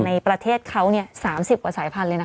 ในประเทศเขาเนี่ย๓๐กว่าสายพันธุ์เลยนะคะ